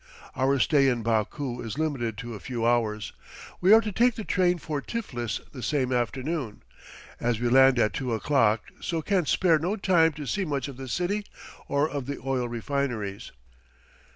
Our stay in Baku is limited to a few hours. We are to take the train for Tiflis the same afternoon, as we land at two o'clock so can spare no time to see much of the city or of the oil refineries.